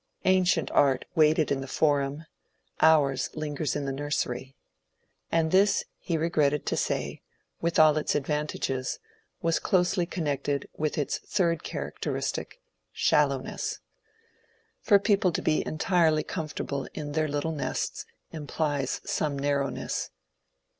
Ancient art waited in the forum, ours lingers in the nursery. And this, he re gretted to say, with all its advantages, was closely connected with its third characteristic, — shallowness. For people to be entirely comfortable in their little nests implies some narrow ness.